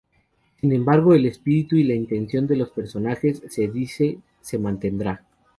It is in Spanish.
Sin embargo, el espíritu y la intención de los personajes se dice, se mantendrá.